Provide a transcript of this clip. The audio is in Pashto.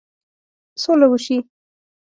سوله وشي.